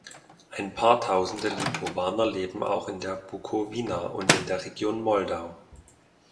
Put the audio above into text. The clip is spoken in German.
Ein paar tausende Lipowaner leben auch in der Bukowina und in der Region Moldau.